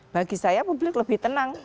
bagi saya publik lebih tenang